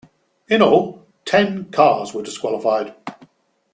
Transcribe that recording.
In all, ten cars were disqualified.